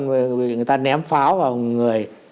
người ta ném pháo vào người